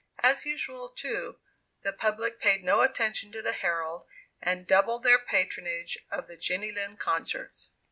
As usual, too, the public paid no attention to the Herald and doubled their patronage of the Jenny Lind concerts.